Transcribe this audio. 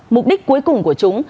mục đích cuối cùng của chúng